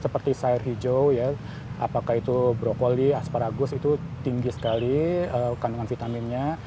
seperti sayur hijau ya apakah itu brokoli asparagus itu tinggi sekali kandungan vitaminnya